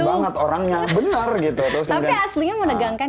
banget orangnya benar gitu terus kemudian aslinya menegangkan nggak kevin